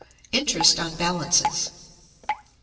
Interest on Balances.